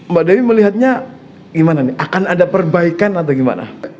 mbak dewi melihatnya gimana nih akan ada perbaikan atau gimana